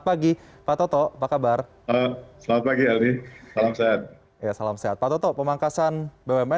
pagi pak toto apa kabar selamat pagi aldi salam sehat ya salam sehat pak toto pemangkasan bumn